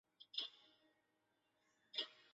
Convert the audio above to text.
但是在布雷西亚的战斗却遭受挫败。